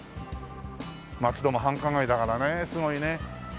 松戸も繁華街だからねすごいね。